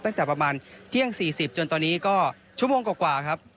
ตั้งแต่ประมาณเที่ยง๔๐จนตอนนี้ก็ชั่วโมงกว่าครับ